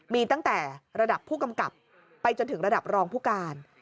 มีตั้งแต่ระดับผู้กำกับไปจนถึงระดับรองผู้การ